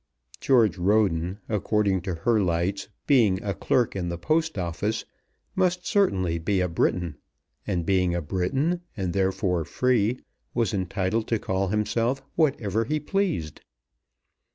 George Roden, according to her lights, being a clerk in the Post Office, must certainly be a Briton, and being a Briton, and therefore free, was entitled to call himself whatever he pleased.